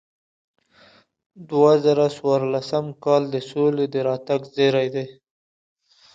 دوه زره څوارلسم کال د سولې د راتګ زیری دی.